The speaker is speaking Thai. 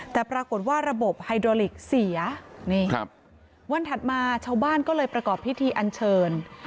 แต่ปรากฏว่าระบบไฮโดลิกเสียนี่ครับวันถัดมาชาวบ้านก็เลยประกอบพิธีอันเชิญ